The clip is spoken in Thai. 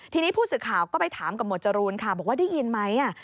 ทีนี้ผู้สื่อข่าวก็ไปถามกับหมวดจรูนค่ะบอกว่าได้ยินไหม